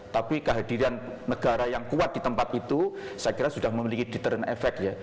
tapi kehadiran negara yang kuat di tempat itu saya kira sudah memiliki deterent effect ya